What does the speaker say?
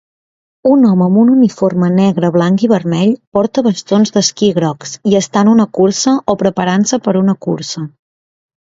Un home amb un uniforme negre, blanc i vermell porta bastons d'esquí grocs i està en una cursa o preparant-se per a una cursa